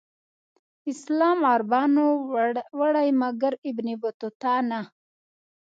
اسلام عربانو وړی مګر ابن بطوطه نه.